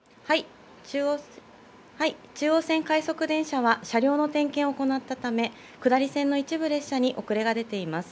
中央線快速電車は、車両の点検を行ったため、下り線の一部列車に遅れが出ています。